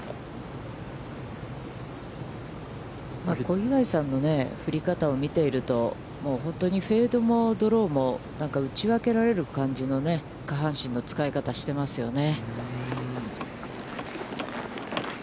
小祝さんの振り方を見ていると、本当にフェードもドローも、なんか打ち分けられる感じの下半身の使い方をしていますよね。